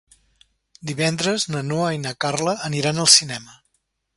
Divendres na Noa i na Carla aniran al cinema.